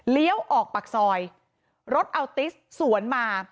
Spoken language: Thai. เลี้ยวออกปากซอยรถอัลติสสวนมา